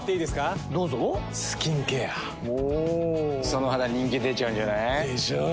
その肌人気出ちゃうんじゃない？でしょう。